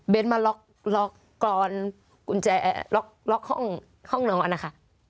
เป็นมาล็อกกรอนกุญแจล็อกห้องนอนนะคะ